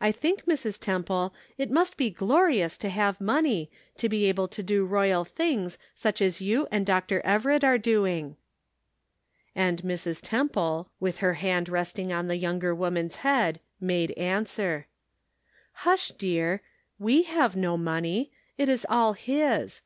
I think Mrs. Temple, it must be glorious to have money, to be able to do royal things, such as you and Dr. Everett are doing." The Answer. 375 And Mrs. Temple, with her hand resting on the }Tounger woman's head, made answer :" Hush, dear, we have no money ; it is all His.